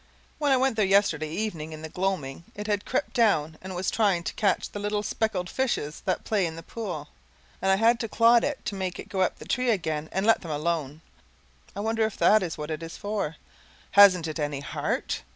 When I went there yesterday evening in the gloaming it had crept down and was trying to catch the little speckled fishes that play in the pool, and I had to clod it to make it go up the tree again and let them alone. I wonder if THAT is what it is for? Hasn't it any heart?